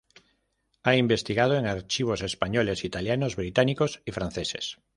Ha investigado en archivos españoles, italianos, británicos y franceses.